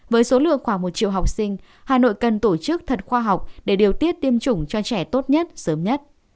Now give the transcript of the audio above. với số lượng khoảng một triệu học sinh hà nội cần tổ chức thật khoa học để điều tiết tiêm chủng cho trẻ tốt nhất sớm nhất